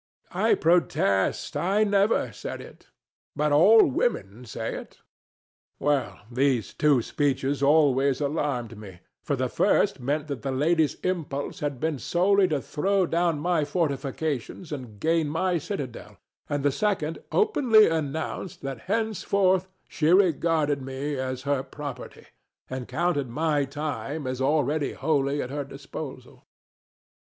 DON JUAN. I protest I never said it. But all women say it. Well, these two speeches always alarmed me; for the first meant that the lady's impulse had been solely to throw down my fortifications and gain my citadel; and the second openly announced that henceforth she regarded me as her property, and counted my time as already wholly at her disposal. THE DEVIL.